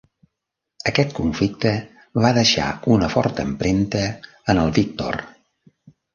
Aquest conflicte va deixar una forta empremta en el Victor.